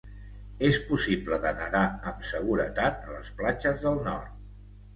És possible de nadar amb seguretat a les platges del nord.